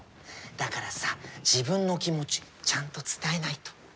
だからさ自分の気持ちちゃんと伝えないと。